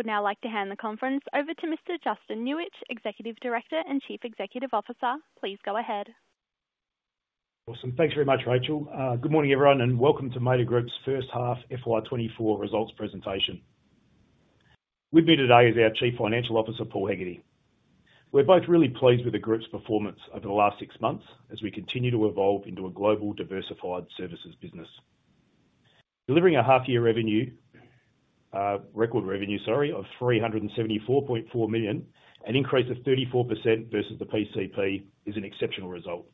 I would now like to hand the conference over to Mr. Justin Nuich, Executive Director and Chief Executive Officer. Please go ahead. Awesome. Thanks very much, Rachel. Good morning, everyone, and welcome to Mader Group's H1 FY2024 results presentation. With me today is our Chief Financial Officer, Paul Hegarty. We're both really pleased with the group's performance over the last six months as we continue to evolve into a global, diversified services business. Delivering a half-year revenue, record revenue, sorry, of 374.4 million, an increase of 34% versus the PCP, is an exceptional result,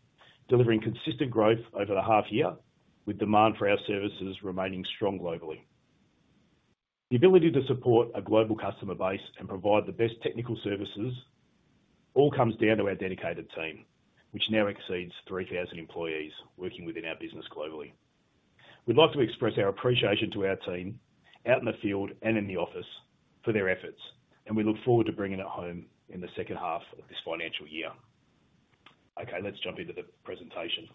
delivering consistent growth over the half-year with demand for our services remaining strong globally. The ability to support a global customer base and provide the best technical services all comes down to our dedicated team, which now exceeds 3,000 employees working within our business globally. We'd like to express our appreciation to our team out in the field and in the office for their efforts, and we look forward to bringing it home in the H2 of this financial year. Okay, let's jump into the presentation.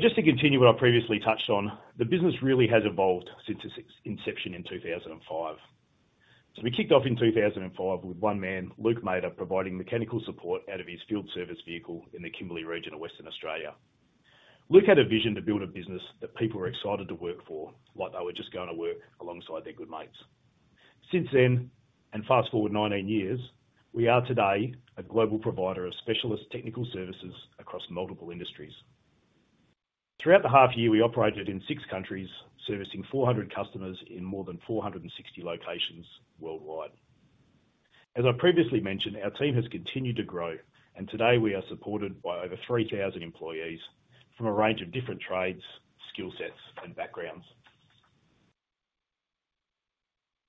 Just to continue what I previously touched on, the business really has evolved since its inception in 2005. We kicked off in 2005 with one man, Luke Mader, providing mechanical support out of his field service vehicle in the Kimberley region of Western Australia. Luke had a vision to build a business that people were excited to work for like they were just going to work alongside their good mates. Since then - and fast forward 19 years - we are today a global provider of specialist technical services across multiple industries. Throughout the half-year, we operated in six countries, servicing 400 customers in more than 460 locations worldwide. As I previously mentioned, our team has continued to grow, and today we are supported by over 3,000 employees from a range of different trades, skill sets, and backgrounds.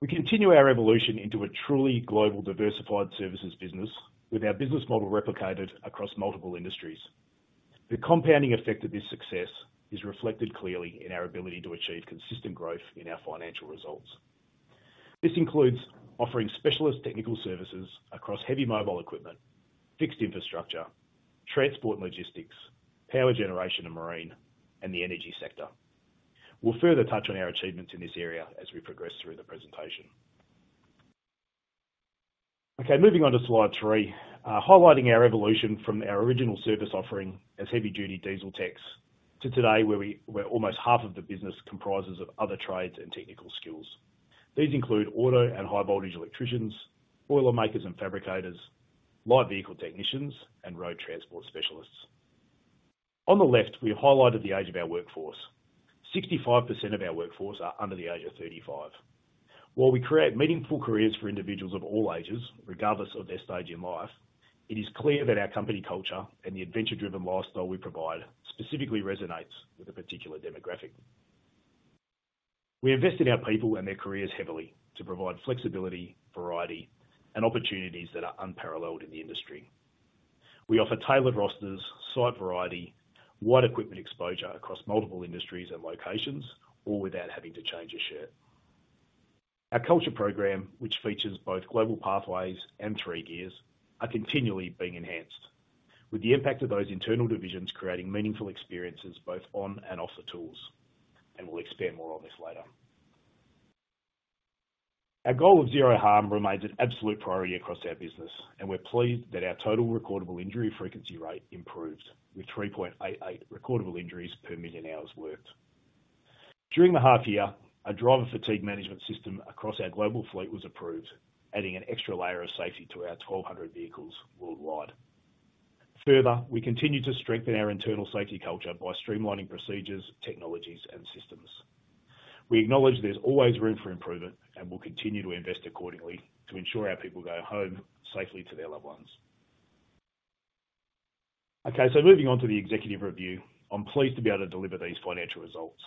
We continue our evolution into a truly global, diversified services business with our business model replicated across multiple industries. The compounding effect of this success is reflected clearly in our ability to achieve consistent growth in our financial results. This includes offering specialist technical services across heavy mobile equipment, fixed infrastructure, transport and logistics, power generation and marine, and the energy sector. We'll further touch on our achievements in this area as we progress through the presentation. Okay, moving on to slide three, highlighting our evolution from our original service offering as heavy-duty diesel techs to today where almost half of the business comprises of other trades and technical skills. These include auto and high-voltage electricians, boilermakers and fabricators, light vehicle technicians, and road transport specialists. On the left, we've highlighted the age of our workforce. 65% of our workforce are under the age of 35. While we create meaningful careers for individuals of all ages, regardless of their stage in life, it is clear that our company culture and the adventure-driven lifestyle we provide specifically resonates with a particular demographic. We invest in our people and their careers heavily to provide flexibility, variety, and opportunities that are unparalleled in the industry. We offer tailored rosters, site variety, wide equipment exposure across multiple industries and locations, all without having to change a shirt. Our culture program, which features both Global Pathways and Three Gears, are continually being enhanced, with the impact of those internal divisions creating meaningful experiences both on and off the tools. We'll expand more on this later. Our goal of zero harm remains an absolute priority across our business, and we're pleased that our total recordable injury frequency rate improved with 3.88 recordable injuries per million hours worked. During the half-year, a driver fatigue management system across our global fleet was approved, adding an extra layer of safety to our 1,200 vehicles worldwide. Further, we continue to strengthen our internal safety culture by streamlining procedures, technologies, and systems. We acknowledge there's always room for improvement and will continue to invest accordingly to ensure our people go home safely to their loved ones. Okay, so moving on to the executive review, I'm pleased to be able to deliver these financial results.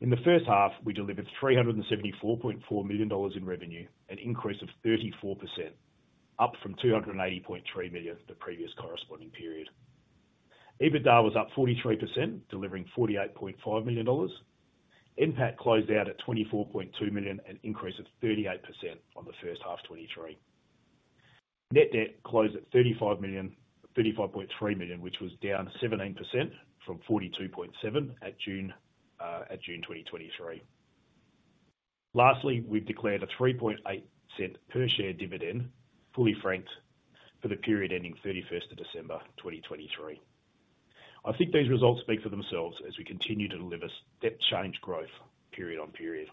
In the H1, we delivered 374.4 million dollars in revenue, an increase of 34%, up from 280.3 million the previous corresponding period. EBITDA was up 43%, delivering 48.5 million dollars. NPAT closed out at 24.2 million, an increase of 38% on the H1 of 2023. Net debt closed at 35.3 million, which was down 17% from 42.7 at June 2023. Lastly, we've declared a 0.038 per-share dividend, fully franked, for the period ending 31st of December 2023. I think these results speak for themselves as we continue to deliver step-change growth period on period.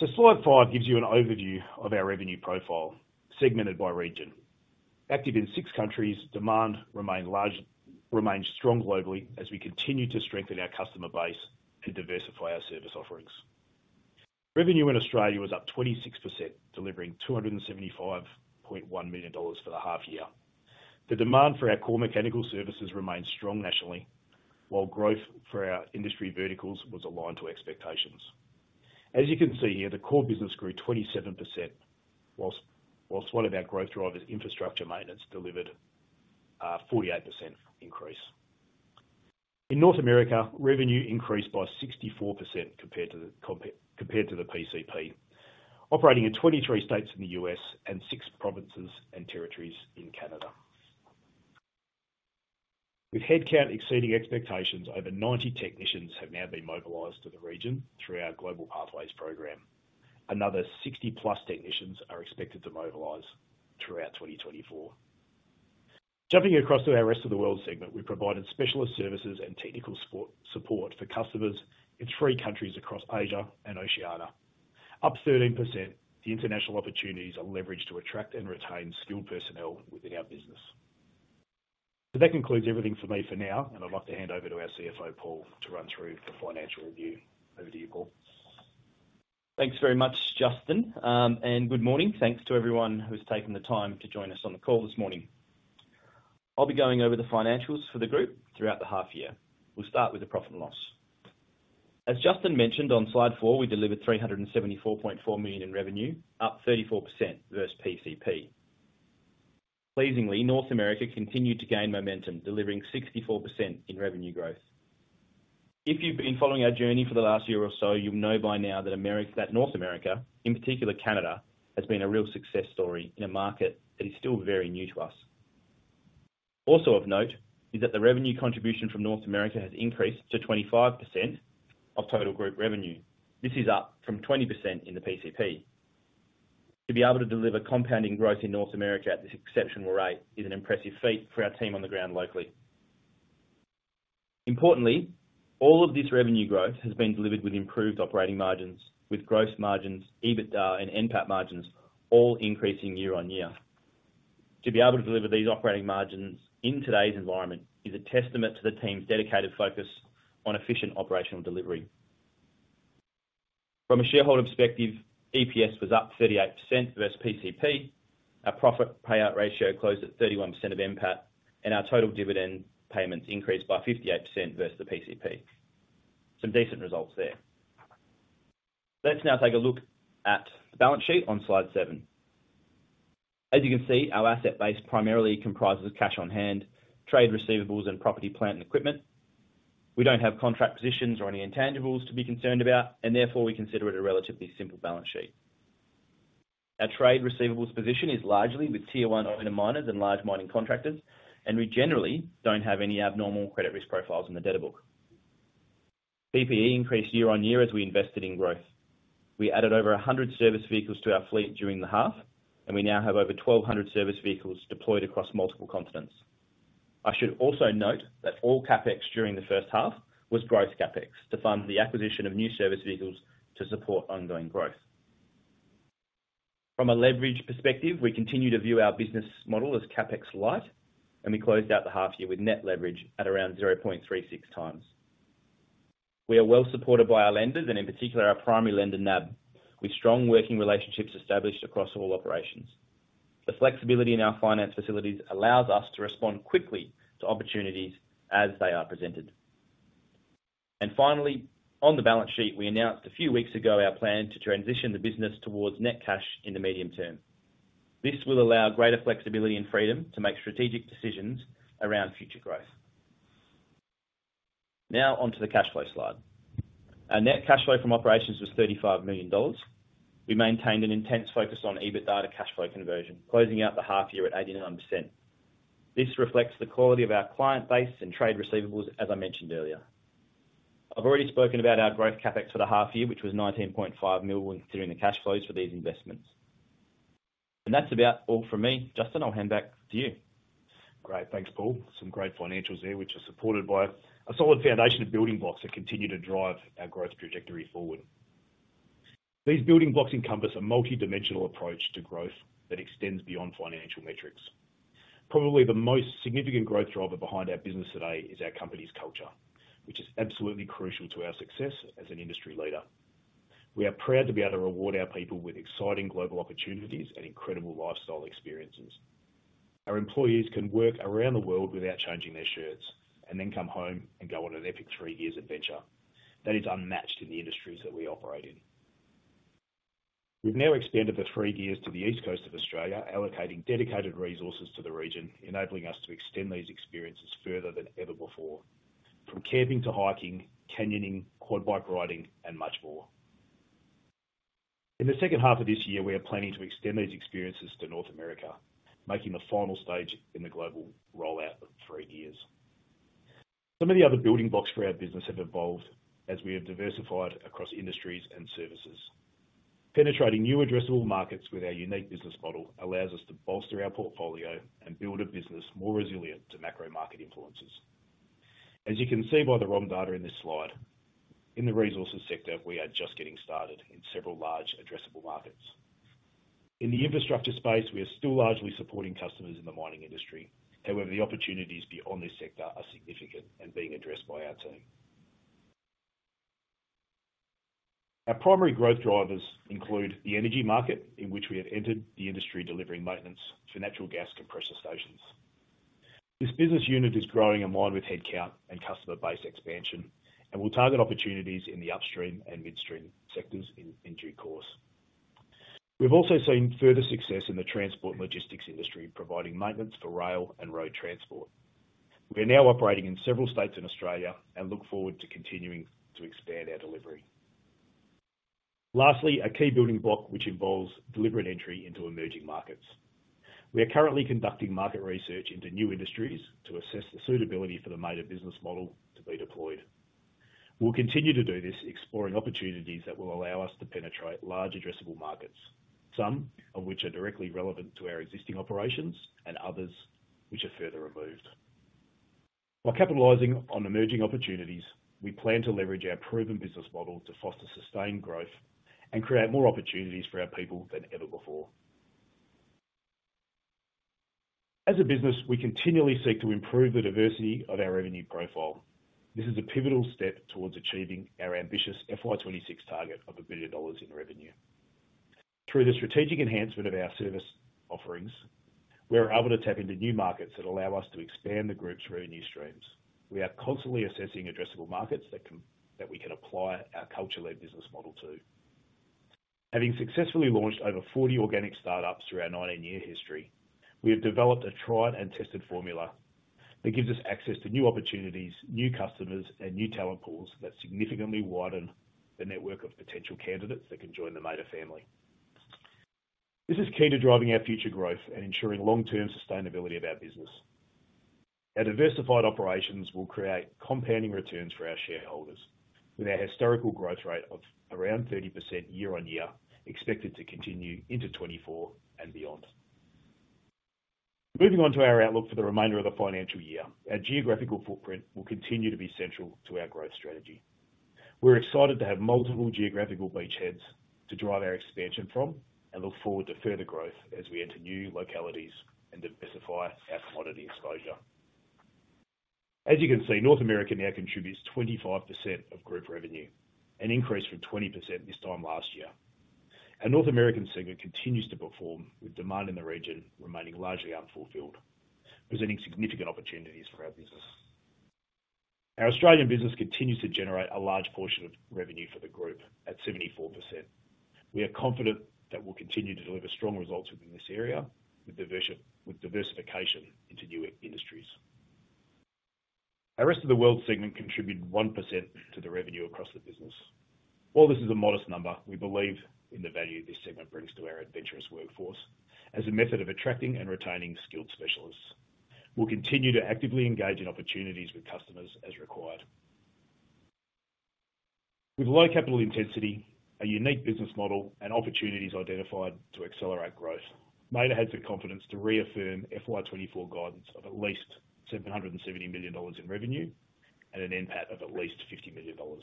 So slide five gives you an overview of our revenue profile segmented by region. Active in six countries, demand remained strong globally as we continue to strengthen our customer base and diversify our service offerings. Revenue in Australia was up 26%, delivering 275.1 million dollars for the half-year. The demand for our core mechanical services remained strong nationally, while growth for our industry verticals was aligned to expectations. As you can see here, the core business grew 27%, while one of our growth drivers, infrastructure maintenance, delivered a 48% increase. In North America, revenue increased by 64% compared to the PCP, operating in 23 states in the US and six provinces and territories in Canada. With headcount exceeding expectations, over 90 technicians have now been mobilised to the region through our Global Pathways program. Another 60+ technicians are expected to mobilise throughout 2024. Jumping across to our rest of the world segment, we provided specialist services and technical support for customers in three countries across Asia and Oceania. Up 13%, the international opportunities are leveraged to attract and retain skilled personnel within our business. So that concludes everything for me for now, and I'd like to hand over to our CFO, Paul, to run through the financial review. Over to you, Paul. Thanks very much, Justin, and good morning. Thanks to everyone who's taken the time to join us on the call this morning. I'll be going over the financials for the group throughout the half-year. We'll start with the profit and loss. As Justin mentioned on slide four, we delivered 374.4 million in revenue, up 34% versus PCP. Pleasingly, North America continued to gain momentum, delivering 64% in revenue growth. If you've been following our journey for the last year or so, you'll know by now that North America, in particular Canada, has been a real success story in a market that is still very new to us. Also of note is that the revenue contribution from North America has increased to 25% of total group revenue. This is up from 20% in the PCP. To be able to deliver compounding growth in North America at this exceptional rate is an impressive feat for our team on the ground locally. Importantly, all of this revenue growth has been delivered with improved operating margins, with gross margins, EBITDA, and NPAT margins all increasing year-over-year. To be able to deliver these operating margins in today's environment is a testament to the team's dedicated focus on efficient operational delivery. From a shareholder perspective, EPS was up 38% versus PCP. Our profit payout ratio closed at 31% of NPAT, and our total dividend payments increased by 58% versus the PCP. Some decent results there. Let's now take a look at the balance sheet on slide seven. As you can see, our asset base primarily comprises cash on hand, trade receivables, and property, plant, and equipment. We don't have contract positions or any intangibles to be concerned about, and therefore we consider it a relatively simple balance sheet. Our trade receivables position is largely with Tier One owner miners and large mining contractors, and we generally don't have any abnormal credit risk profiles in the debtor book. PPE increased year-on-year as we invested in growth. We added over 100 service vehicles to our fleet during the half, and we now have over 1,200 service vehicles deployed across multiple continents. I should also note that all CapEx during the H1 was growth CapEx to fund the acquisition of new service vehicles to support ongoing growth. From a leverage perspective, we continue to view our business model as CapEx light, and we closed out the half-year with net leverage at around 0.36 times. We are well supported by our lenders and, in particular, our primary lender, NAB, with strong working relationships established across all operations. The flexibility in our finance facilities allows us to respond quickly to opportunities as they are presented. And finally, on the balance sheet, we announced a few weeks ago our plan to transition the business towards net cash in the medium term. This will allow greater flexibility and freedom to make strategic decisions around future growth. Now onto the cash flow slide. Our net cash flow from operations was 35 million dollars. We maintained an intense focus on EBITDA to cash flow conversion, closing out the half-year at 89%. This reflects the quality of our client base and trade receivables, as I mentioned earlier. I've already spoken about our growth CapEx for the half-year, which was 19.5 million, considering the cash flows for these investments. That's about all from me, Justin. I'll hand back to you. Great. Thanks, Paul. Some great financials here, which are supported by a solid foundation of building blocks that continue to drive our growth trajectory forward. These building blocks encompass a multidimensional approach to growth that extends beyond financial metrics. Probably the most significant growth driver behind our business today is our company's culture, which is absolutely crucial to our success as an industry leader. We are proud to be able to reward our people with exciting global opportunities and incredible lifestyle experiences. Our employees can work around the world without changing their shirts and then come home and go on an epic Three Gears adventure. That is unmatched in the industries that we operate in. We've now expanded the Three Gears to the East Coast of Australia, allocating dedicated resources to the region, enabling us to extend these experiences further than ever before, from camping to hiking, canyoning, quad bike riding, and much more. In the H2 of this year, we are planning to extend these experiences to North America, making the final stage in the global rollout of Three Gears. Some of the other building blocks for our business have evolved as we have diversified across industries and services. Penetrating new addressable markets with our unique business model allows us to bolster our portfolio and build a business more resilient to macro market influences. As you can see by the ROM data in this slide, in the resources sector, we are just getting started in several large addressable markets. In the infrastructure space, we are still largely supporting customers in the mining industry. However, the opportunities beyond this sector are significant and being addressed by our team. Our primary growth drivers include the energy market, in which we have entered the industry delivering maintenance for natural gas compressor stations. This business unit is growing in line with headcount and customer base expansion and will target opportunities in the upstream and midstream sectors in due course. We've also seen further success in the transport and logistics industry, providing maintenance for rail and road transport. We are now operating in several states in Australia and look forward to continuing to expand our delivery. Lastly, a key building block which involves deliberate entry into emerging markets. We are currently conducting market research into new industries to assess the suitability for the Mader business model to be deployed. We'll continue to do this, exploring opportunities that will allow us to penetrate large addressable markets, some of which are directly relevant to our existing operations and others which are further removed. While capitalizing on emerging opportunities, we plan to leverage our proven business model to foster sustained growth and create more opportunities for our people than ever before. As a business, we continually seek to improve the diversity of our revenue profile. This is a pivotal step towards achieving our ambitious FY26 target of 1 billion dollars in revenue. Through the strategic enhancement of our service offerings, we are able to tap into new markets that allow us to expand the group's revenue streams. We are constantly assessing addressable markets that we can apply our culture-led business model to. Having successfully launched over 40 organic startups through our 19-year history, we have developed a tried-and-tested formula that gives us access to new opportunities, new customers, and new talent pools that significantly widen the network of potential candidates that can join the Mader family. This is key to driving our future growth and ensuring long-term sustainability of our business. Our diversified operations will create compounding returns for our shareholders, with our historical growth rate of around 30% year-on-year expected to continue into 2024 and beyond. Moving on to our outlook for the remainder of the financial year, our geographical footprint will continue to be central to our growth strategy. We're excited to have multiple geographical beachheads to drive our expansion from and look forward to further growth as we enter new localities and diversify our commodity exposure. As you can see, North America now contributes 25% of group revenue, an increase from 20% this time last year. Our North American segment continues to perform, with demand in the region remaining largely unfulfilled, presenting significant opportunities for our business. Our Australian business continues to generate a large portion of revenue for the group at 74%. We are confident that we'll continue to deliver strong results within this area with diversification into new industries. Our rest of the world segment contributed 1% to the revenue across the business. While this is a modest number, we believe in the value this segment brings to our adventurous workforce as a method of attracting and retaining skilled specialists. We'll continue to actively engage in opportunities with customers as required. With low capital intensity, a unique business model, and opportunities identified to accelerate growth, Mader has the confidence to reaffirm FY 2024 guidance of at least 770 million dollars in revenue and an NPAT of at least 50 million dollars.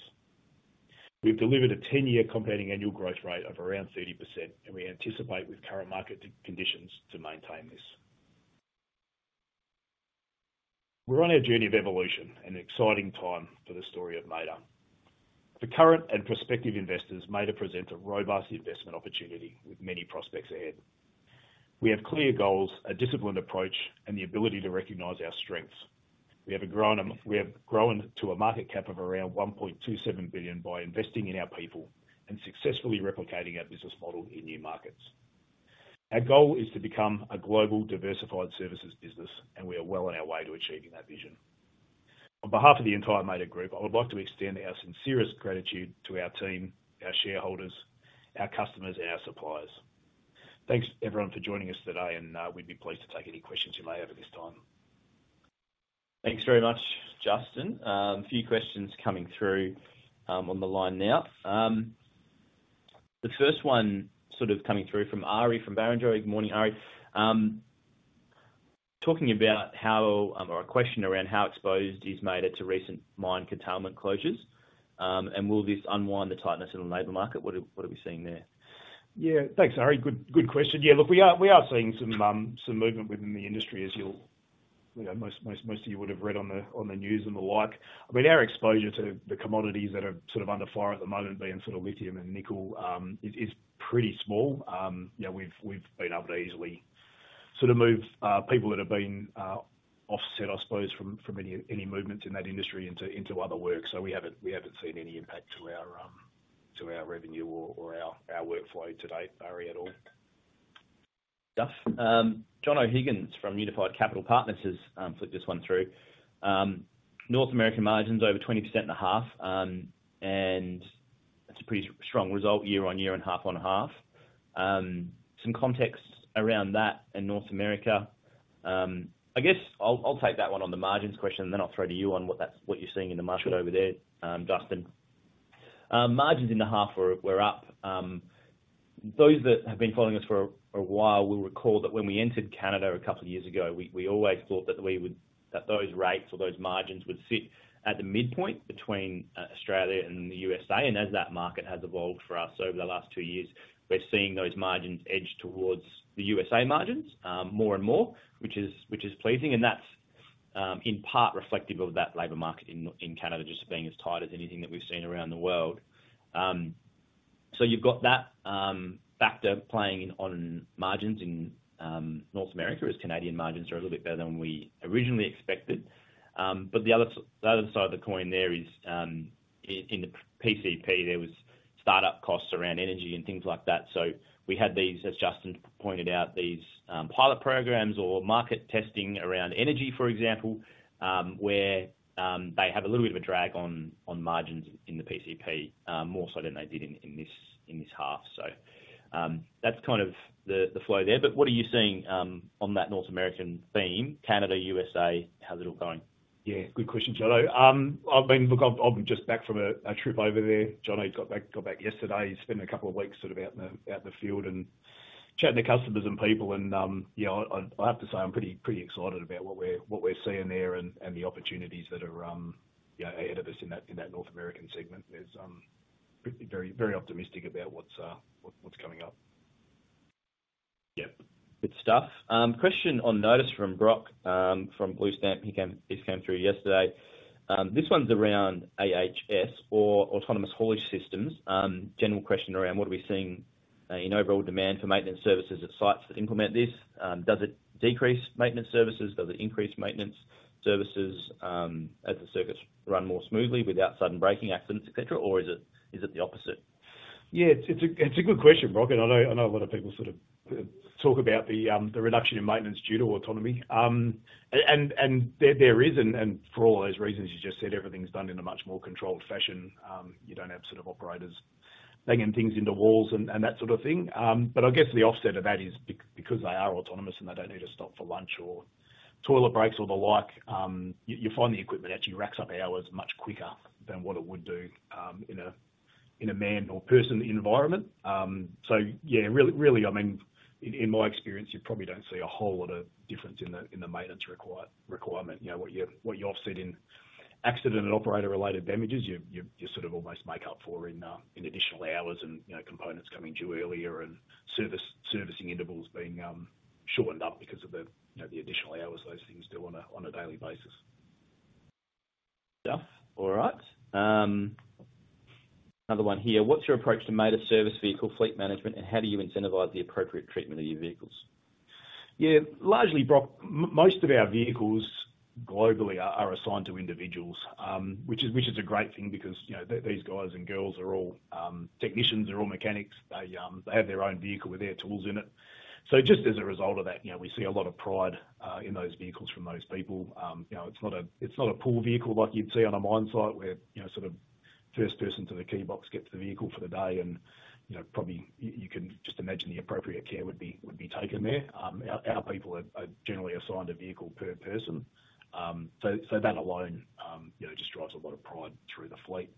We've delivered a 10-year compounding annual growth rate of around 30%, and we anticipate with current market conditions to maintain this. We're on our journey of evolution, an exciting time for the story of Mader. For current and prospective investors, Mader presents a robust investment opportunity with many prospects ahead. We have clear goals, a disciplined approach, and the ability to recognize our strengths. We have grown to a market cap of around 1.27 billion by investing in our people and successfully replicating our business model in new markets. Our goal is to become a global diversified services business, and we are well on our way to achieving that vision. On behalf of the entire Mader Group, I would like to extend our sincerest gratitude to our team, our shareholders, our customers, and our suppliers. Thanks, everyone, for joining us today, and we'd be pleased to take any questions you may have at this time. Thanks very much, Justin. A few questions coming through on the line now. The first one sort of coming through from Ari from Barrenjoey. Good morning, Ari. Talking about how or a question around how exposed is Mader to recent mine containment closures, and will this unwind the tightness in the labor market? What are we seeing there? Yeah. Thanks, Ari. Good question. Yeah. Look, we are seeing some movement within the industry, as most of you would have read on the news and the like. I mean, our exposure to the commodities that are sort of under fire at the moment, being sort of lithium and nickel, is pretty small. We've been able to easily sort of move people that have been offset, I suppose, from any movements in that industry into other work. So we haven't seen any impact to our revenue or our workflow to date, Ari, at all. Jonathon Higgins from Unified Capital Partners has flicked this one through. North American margins over 20.5%, and it's a pretty strong result year-on-year and half-on-half. Some context around that in North America. I guess I'll take that one on the margins question, and then I'll throw to you on what you're seeing in the market over there, Justin. Margins in the half were up. Those that have been following us for a while will recall that when we entered Canada a couple of years ago, we always thought that those rates or those margins would sit at the midpoint between Australia and the U.S. And as that market has evolved for us over the last two years, we're seeing those margins edge towards the U.S. margins more and more, which is pleasing. That's in part reflective of that labor market in Canada just being as tight as anything that we've seen around the world. So you've got that factor playing on margins in North America, as Canadian margins are a little bit better than we originally expected. But the other side of the coin there is in the PCP, there was startup costs around energy and things like that. So we had these, as Justin pointed out, these pilot programs or market testing around energy, for example, where they have a little bit of a drag on margins in the PCP more so than they did in this half. So that's kind of the flow there. But what are you seeing on that North American theme, Canada, USA? How's it all going? Yeah. Good question, Jon. Look, I'm just back from a trip over there. Jon, he got back yesterday. He spent a couple of weeks sort of out in the field and chatting to customers and people. And yeah, I have to say I'm pretty excited about what we're seeing there and the opportunities that are ahead of us in that North American segment. Very optimistic about what's coming up. Yeah. Good stuff. Question on notice from Brock from Blue Stamp Company. He came through yesterday. This one's around AHS or Autonomous Haulage Systems. General question around what are we seeing in overall demand for maintenance services at sites that implement this? Does it decrease maintenance services? Does it increase maintenance services as the circuits run more smoothly without sudden braking, accidents, etc., or is it the opposite? Yeah. It's a good question, Brock. And I know a lot of people sort of talk about the reduction in maintenance due to autonomy. And there is. And for all those reasons, you just said everything's done in a much more controlled fashion. You don't have sort of operators banging things into walls and that sort of thing. But I guess the offset of that is because they are autonomous and they don't need to stop for lunch or toilet breaks or the like, you'll find the equipment actually racks up hours much quicker than what it would do in a manned or person environment. So yeah, really, I mean, in my experience, you probably don't see a whole lot of difference in the maintenance requirement. What you offset in accident and operator-related damages, you sort of almost make up for in additional hours and components coming due earlier and servicing intervals being shortened up because of the additional hours those things do on a daily basis. Stuff. All right. Another one here. What's your approach to Mader service vehicle fleet management, and how do you incentivize the appropriate treatment of your vehicles? Yeah. Largely, Brock, most of our vehicles globally are assigned to individuals, which is a great thing because these guys and girls are all technicians, they're all mechanics. They have their own vehicle with their tools in it. So just as a result of that, we see a lot of pride in those vehicles from those people. It's not a pool vehicle like you'd see on a mine site where sort of first person to the keybox gets the vehicle for the day, and probably you can just imagine the appropriate care would be taken there. Our people are generally assigned a vehicle per person. So that alone just drives a lot of pride through the fleet.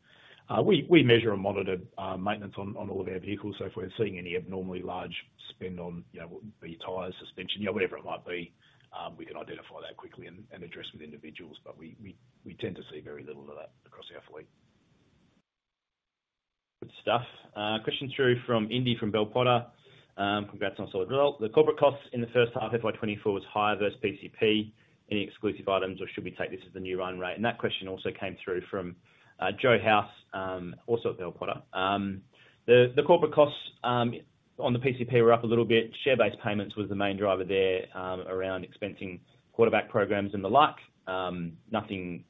We measure and monitor maintenance on all of our vehicles. So if we're seeing any abnormally large spend on what would be tires, suspension, whatever it might be, we can identify that quickly and address with individuals. But we tend to see very little of that across our fleet. Good stuff. Question through from Indy from Bell Potter. Congrats on a solid result. The corporate costs in the H1 FY24 was higher versus PCP. Any exclusive items, or should we take this as the new run rate? And that question also came through from Joe House, also at Bell Potter. The corporate costs on the PCP were up a little bit. Share-based payments was the main driver there around expensing quarterback programs and the like. Nothing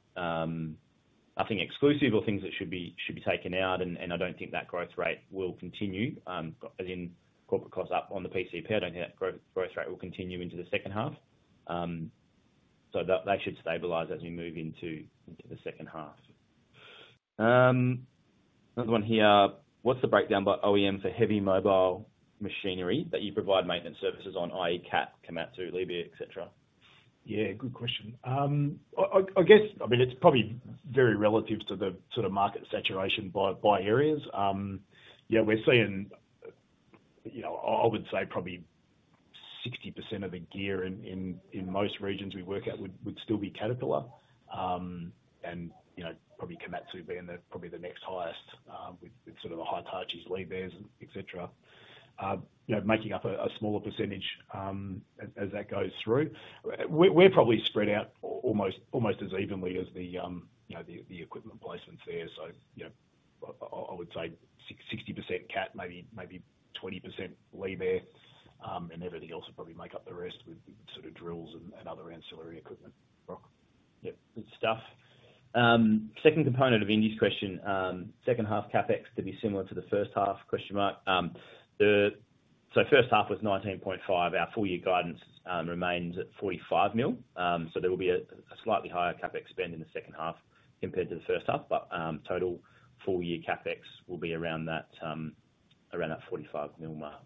exclusive or things that should be taken out. And I don't think that growth rate will continue, as in corporate costs up on the PCP. I don't think that growth rate will continue into the H2. So they should stabilize as we move into the H2. Another one here. What's the breakdown by OEM for heavy mobile machinery that you provide maintenance services on, i.e., CAT, Komatsu, Liebherr, etc.? Yeah. Good question. I mean, it's probably very relative to the sort of market saturation by areas. Yeah. I would say probably 60% of the gear in most regions we work at would still be Caterpillar and probably Komatsu being probably the next highest with sort of the Hitachis, Liebherrs, etc., making up a smaller percentage as that goes through. We're probably spread out almost as evenly as the equipment placements there. So I would say 60% CAT, maybe 20% Liebherr, and everything else will probably make up the rest with sort of drills and other ancillary equipment. Brock. Yeah. Good stuff. Second component of Indy's question. H2 CapEx to be similar to the H1? So H1 was 19.5 million. Our full-year guidance remains at 45 million. So there will be a slightly higher CapEx spend in the H2 compared to the H1. But total full-year CapEx will be around that 45 million mark.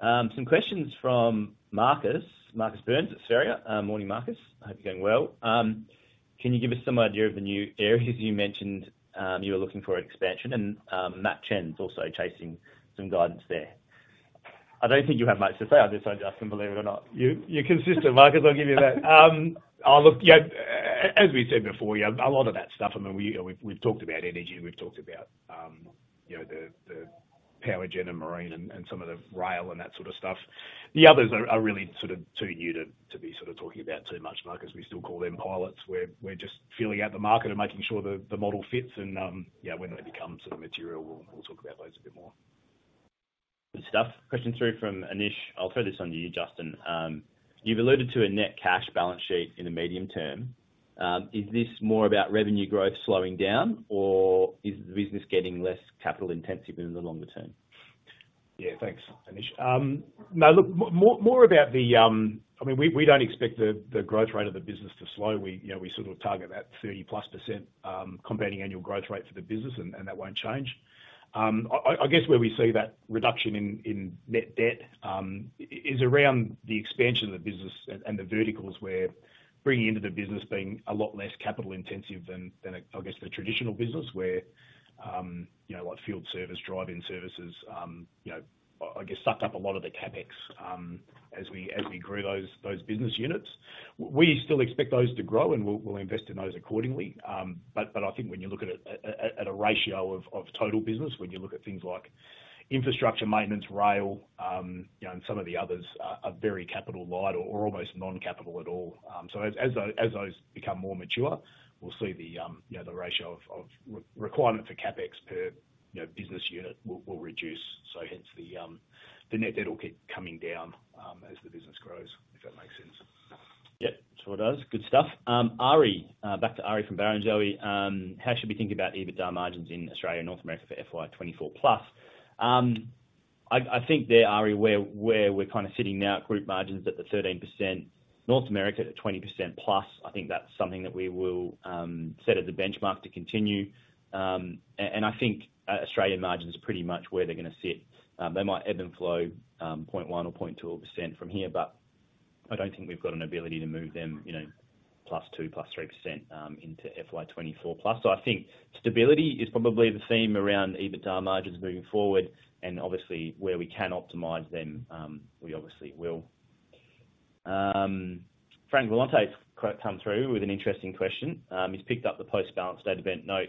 Some questions from Marcus. Marcus Burns at Spheria. Morning, Marcus. I hope you're going well. Can you give us some idea of the new areas you mentioned you were looking for expansion? And Matt Chen's also chasing some guidance there. I don't think you have much to say. I'll just ask him, believe it or not. You're consistent, Marcus. I'll give you that. As we said before, a lot of that stuff, I mean, we've talked about energy. We've talked about the power gen and marine and some of the rail and that sort of stuff. The others are really sort of too new to be sort of talking about too much, Marcus. We still call them pilots. We're just filling out the market and making sure the model fits. When they become sort of material, we'll talk about those a bit more. Good stuff. Question through from Anish. I'll throw this on you, Justin. You've alluded to a net cash balance sheet in the medium term. Is this more about revenue growth slowing down, or is the business getting less capital intensive in the longer term? Yeah. Thanks, Anish. No, look, more about the, I mean, we don't expect the growth rate of the business to slow. We sort of target that 30%+ compounding annual growth rate for the business, and that won't change. I guess where we see that reduction in net debt is around the expansion of the business and the verticals where bringing into the business being a lot less capital intensive than, I guess, the traditional business where field service, drive-in services, I guess, sucked up a lot of the CapEx as we grew those business units. We still expect those to grow, and we'll invest in those accordingly. But I think when you look at it at a ratio of total business, when you look at things like infrastructure maintenance, rail, and some of the others are very capital light or almost non-capital at all. As those become more mature, we'll see the ratio of requirement for CapEx per business unit will reduce. Hence, the net debt will keep coming down as the business grows, if that makes sense. Yeah. Sure does. Good stuff. Ari, back to Ari from Barrenjoey. How should we think about EBITDA margins in Australia and North America for FY24+? I think there, Ari, where we're kind of sitting now, group margins at the 13%, North America at 20%+. I think that's something that we will set as a benchmark to continue. And I think Australian margins are pretty much where they're going to sit. They might ebb and flow 0.1% or 0.2% from here, but I don't think we've got an ability to move them 2%+, 3%+ into FY24+. So I think stability is probably the theme around EBITDA margins moving forward. And obviously, where we can optimize them, we obviously will. Frank Villante's come through with an interesting question. He's picked up the post-balance sheet event note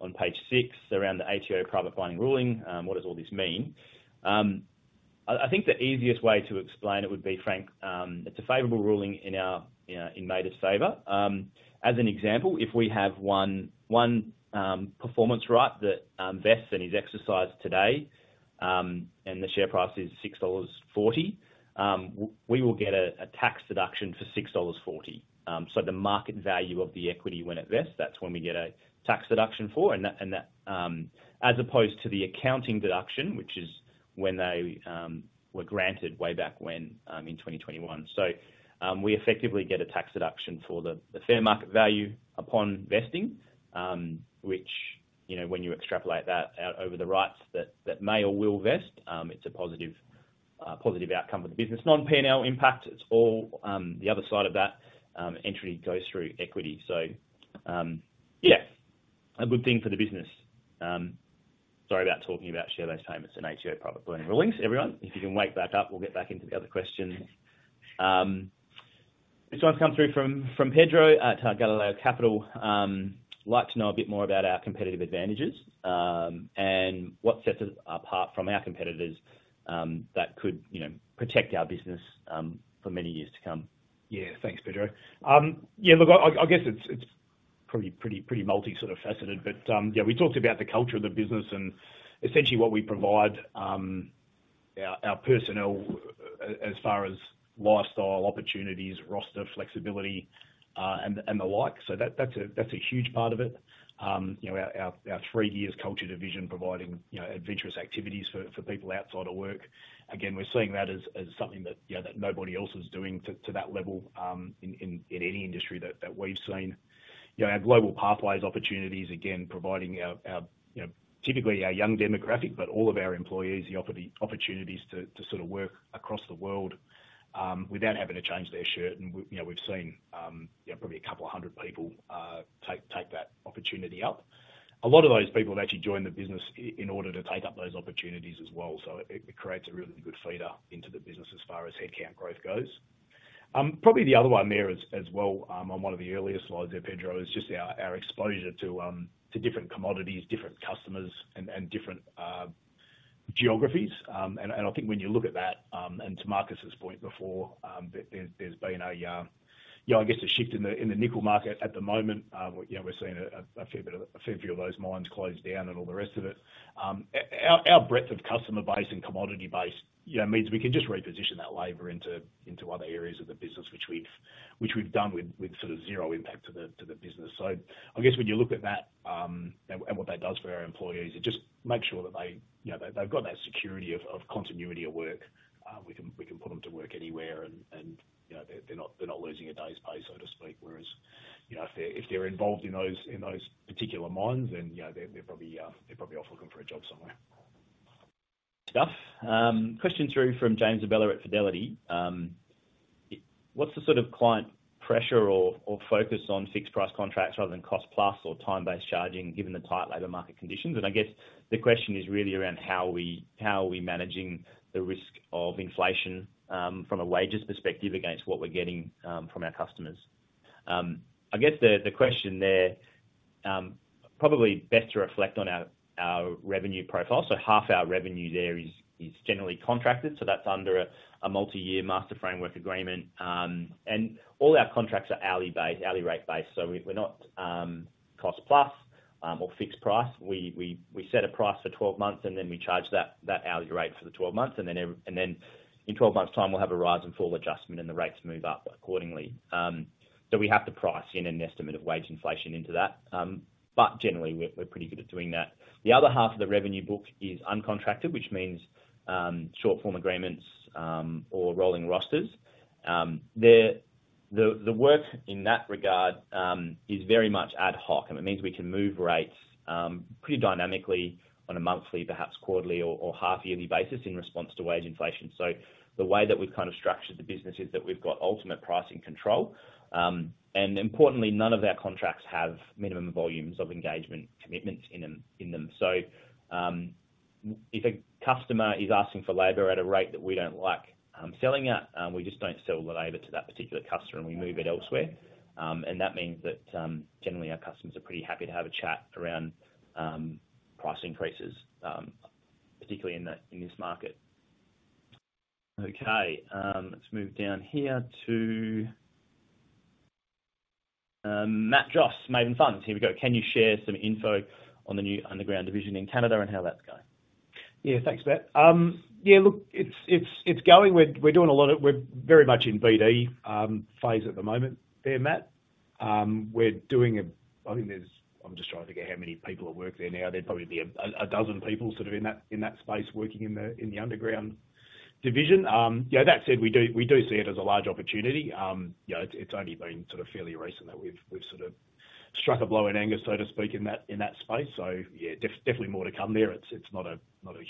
on page six around the ATO private binding ruling. What does all this mean? I think the easiest way to explain it would be, Frank, it's a favorable ruling in Mader's favor. As an example, if we have one performance right that vests and is exercised today and the share price is 6.40 dollars, we will get a tax deduction for 6.40 dollars. So the market value of the equity when it vests, that's when we get a tax deduction for. And that as opposed to the accounting deduction, which is when they were granted way back in 2021. So we effectively get a tax deduction for the fair market value upon vesting, which when you extrapolate that out over the rights that may or will vest, it's a positive outcome for the business. Non-P&L impact, it's all the other side of that entry goes through equity. So yeah, a good thing for the business. Sorry about talking about share-based payments and ATO private binding rulings, everyone. If you can wake back up, we'll get back into the other questions. This one's come through from Pedro at Galileo Capital. Like to know a bit more about our competitive advantages and what sets us apart from our competitors that could protect our business for many years to come. Yeah. Thanks, Pedro. Yeah. Look, I guess it's probably pretty multi-faceted. But yeah, we talked about the culture of the business and essentially what we provide our personnel as far as lifestyle opportunities, roster, flexibility, and the like. So that's a huge part of it. Our Three Gears culture division providing adventurous activities for people outside of work. Again, we're seeing that as something that nobody else is doing to that level in any industry that we've seen. Our Global Pathways opportunities, again, providing typically our young demographic, but all of our employees, the opportunities to sort of work across the world without having to change their shirt. And we've seen probably a couple of hundred people take that opportunity up. A lot of those people have actually joined the business in order to take up those opportunities as well. So it creates a really good feeder into the business as far as headcount growth goes. Probably the other one there as well on one of the earlier slides there, Pedro, is just our exposure to different commodities, different customers, and different geographies. And I think when you look at that and to Marcus's point before, there's been, I guess, a shift in the nickel market at the moment. We're seeing a fair few of those mines closed down and all the rest of it. Our breadth of customer base and commodity base means we can just reposition that labor into other areas of the business, which we've done with sort of zero impact to the business. So I guess when you look at that and what that does for our employees, it just makes sure that they've got that security of continuity of work. We can put them to work anywhere, and they're not losing a day's pay, so to speak. Whereas if they're involved in those particular mines, then they're probably off looking for a job somewhere. Good stuff. Question through from James Abela at Fidelity. What's the sort of client pressure or focus on fixed-price contracts rather than cost-price or time-based charging given the tight labor market conditions? And I guess the question is really around how are we managing the risk of inflation from a wages perspective against what we're getting from our customers? I guess the question there probably best to reflect on our revenue profile. So half our revenue there is generally contracted. So that's under a multi-year master framework agreement. And all our contracts are hourly-based, hourly-rate-based. So we're not cost-price or fixed-price. We set a price for 12 months, and then we charge that hourly rate for the 12 months. And then in 12 months' time, we'll have a rise and fall adjustment, and the rates move up accordingly. So we have to price in an estimate of wage inflation into that. But generally, we're pretty good at doing that. The other half of the revenue book is uncontracted, which means short-form agreements or rolling rosters. The work in that regard is very much ad hoc. And it means we can move rates pretty dynamically on a monthly, perhaps quarterly, or half-yearly basis in response to wage inflation. So the way that we've kind of structured the business is that we've got ultimate pricing control. And importantly, none of our contracts have minimum volumes of engagement commitments in them. So if a customer is asking for labor at a rate that we don't like selling at, we just don't sell the labor to that particular customer, and we move it elsewhere. And that means that generally, our customers are pretty happy to have a chat around price increases, particularly in this market. Okay. Let's move down here to Matt Joass, Maven Funds. Here we go. Can you share some info on the new underground division in Canada and how that's going? Yeah. Thanks, Matt. Yeah. Look, it's going. We're very much in BD phase at the moment there, Matt. I mean, I'm just trying to get how many people at work there now. There'd probably be 12 people sort of in that space working in the underground division. That said, we do see it as a large opportunity. It's only been sort of fairly recent that we've sort of struck a blow in Anger, so to speak, in that space. So yeah, definitely more to come there. It's not a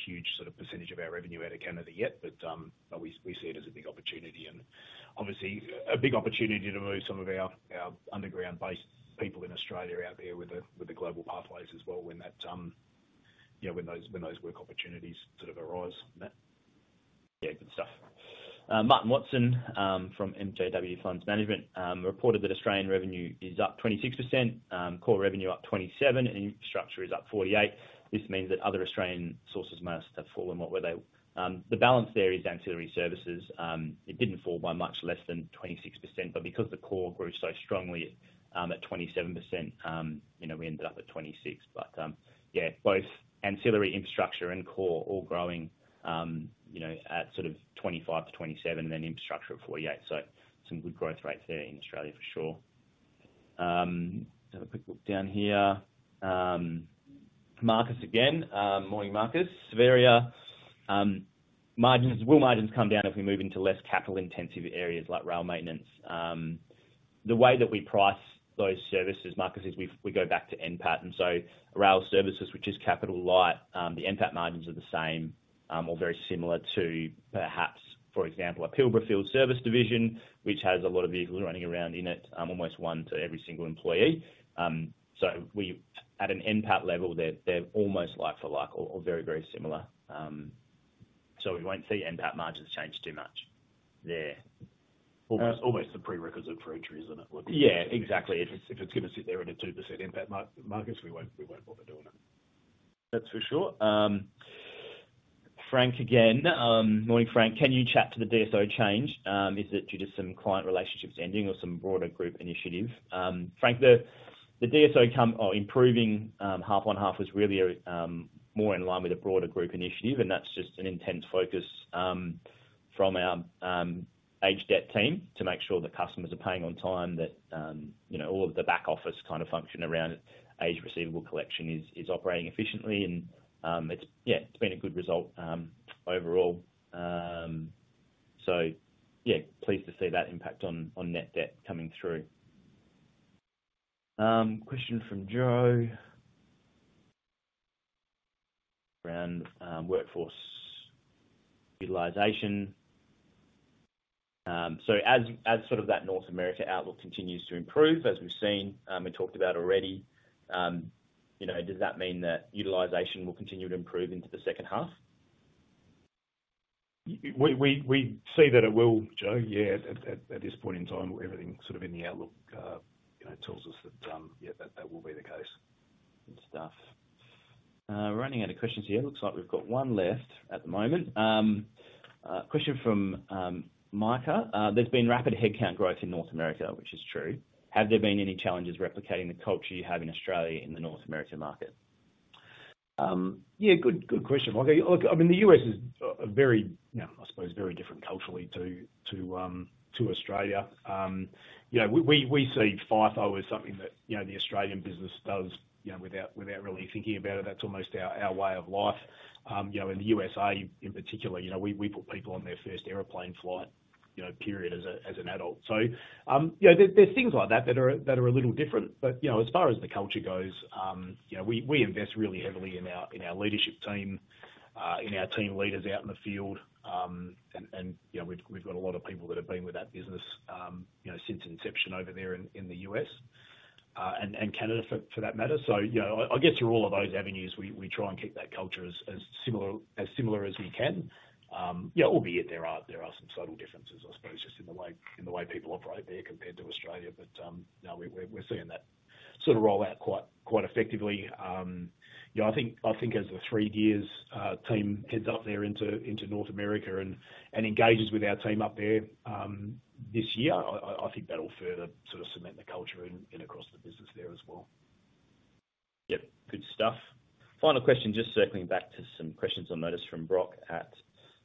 huge sort of percentage of our revenue out of Canada yet, but we see it as a big opportunity and obviously a big opportunity to move some of our underground-based people in Australia out there with the Global Pathways as well when those work opportunities sort of arise, Matt. Yeah. Good stuff. Martin Watson from MJW Funds Management reported that Australian revenue is up 26%, core revenue up 27%, and infrastructure is up 48%. This means that other Australian sources must have fallen what were they? The balance there is ancillary services. It didn't fall by much less than 26%, but because the core grew so strongly at 27%, we ended up at 26%. But yeah, both ancillary infrastructure and core all growing at sort of 25%-27%, and then infrastructure at 48%. So some good growth rates there in Australia, for sure. Have a quick look down here. Marcus again. Morning, Marcus. Spheria. Will margins come down if we move into less capital-intensive areas like rail maintenance? The way that we price those services, Marcus, is we go back to NPAT. So rail services, which is capital-light, the NPAT margins are the same or very similar to, perhaps, for example, a Pilbara Field Service division, which has a lot of vehicles running around in it, almost one to every single employee. So at an NPAT level, they're almost like for like or very, very similar. So we won't see NPAT margins change too much there. Almost the prerequisite for entry, isn't it? Looks like? Yeah. Exactly. If it's going to sit there at a 2% NPAT margin, we won't bother doing it. That's for sure. Frank again. Morning, Frank. Can you chat to the DSO change? Is it due to some client relationships ending or some broader group initiative? Frank, the DSO improving half-on-half was really more in line with a broader group initiative. That's just an intense focus from our aged debt team to make sure that customers are paying on time, that all of the back-office kind of function around accounts receivable collection is operating efficiently. Yeah, it's been a good result overall. Yeah, pleased to see that impact on net debt coming through. Question from Joe around workforce utilization. So as sort of that North America outlook continues to improve, as we've seen, we talked about already, does that mean that utilization will continue to improve into the H2? We see that it will, Joe. Yeah. At this point in time, everything sort of in the outlook tells us that, yeah, that will be the case. Good stuff. Running out of questions here. Looks like we've got one left at the moment. Question from Micah. There's been rapid headcount growth in North America, which is true. Have there been any challenges replicating the culture you have in Australia in the North America market? Yeah. Good question, Micah. Look, I mean, the U.S. is, I suppose, very different culturally to Australia. We see FIFO as something that the Australian business does without really thinking about it. That's almost our way of life. In the U.S.A., in particular, we put people on their first airplane flight, period, as an adult. So there's things like that that are a little different. But as far as the culture goes, we invest really heavily in our leadership team, in our team leaders out in the field. And we've got a lot of people that have been with that business since inception over there in the U.S. and Canada, for that matter. So I guess through all of those avenues, we try and keep that culture as similar as we can. Albeit there are some subtle differences, I suppose, just in the way people operate there compared to Australia. But no, we're seeing that sort of roll out quite effectively. I think as the Three Gears team heads up there into North America and engages with our team up there this year, I think that'll further sort of cement the culture across the business there as well. Yeah. Good stuff. Final question, just circling back to some questions on Mader's from Brock at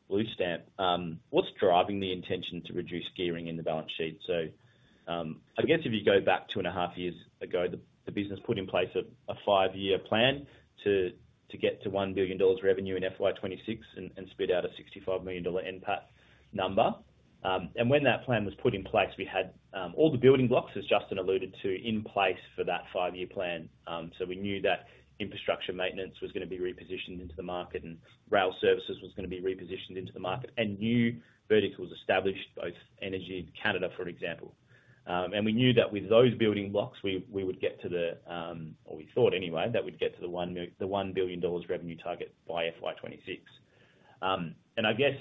Blue Stamp. What's driving the intention to reduce gearing in the balance sheet? So I guess if you go back two and a half years ago, the business put in place a five-year plan to get to 1 billion dollars revenue in FY26 and spit out a 65 million dollar NPAT number. And when that plan was put in place, we had all the building blocks, as Justin alluded to, in place for that five-year plan. So we knew that infrastructure maintenance was going to be repositioned into the market and rail services was going to be repositioned into the market and new verticals established, both energy and Canada, for example. We knew that with those building blocks, we would get to the or we thought anyway that we'd get to the 1 billion dollars revenue target by FY26. I guess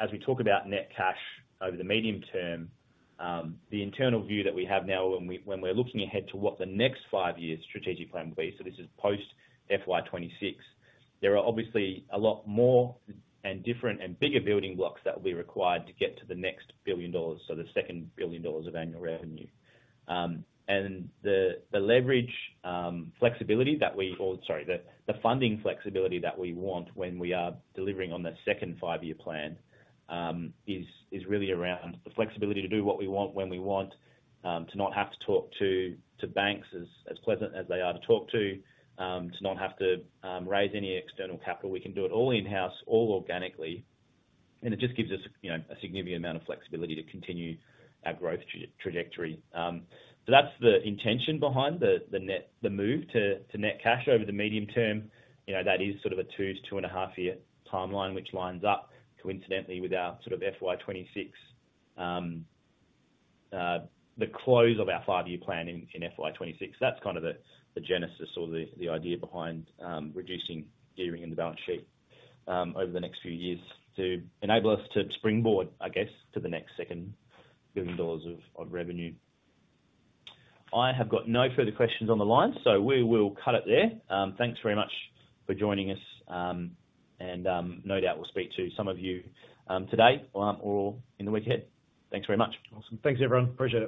as we talk about net cash over the medium term, the internal view that we have now when we're looking ahead to what the next five years' strategic plan will be—so this is post-FY26—there are obviously a lot more and different and bigger building blocks that will be required to get to the next 1 billion dollars, so the second 1 billion dollars of annual revenue. The leverage flexibility that we—or sorry, the funding flexibility that we want when we are delivering on the second five-year plan is really around the flexibility to do what we want when we want, to not have to talk to banks as pleasant as they are to talk to, to not have to raise any external capital. We can do it all in-house, all organically. And it just gives us a significant amount of flexibility to continue our growth trajectory. So that's the intention behind the move, to net cash over the medium term. That is sort of a 2-2.5-year timeline, which lines up coincidentally with our sort of FY26, the close of our five-year plan in FY26. That's kind of the genesis or the idea behind reducing gearing in the balance sheet over the next few years to enable us to springboard, I guess, to the next second 1 billion dollars of revenue. I have got no further questions on the line, so we will cut it there. Thanks very much for joining us. No doubt we'll speak to some of you today or in the week ahead. Thanks very much. Awesome. Thanks, everyone. Appreciate it.